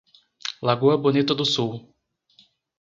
Lagoa Bonita do Sul